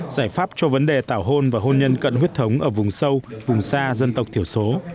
giải pháp cho vấn đề tảo hôn và hôn nhân cận huyết thống ở vùng sâu vùng xa dân tộc thiểu số